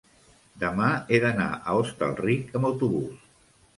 demà he d'anar a Hostalric amb autobús.